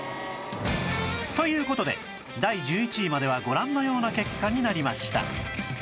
という事で第１１位まではご覧のような結果になりました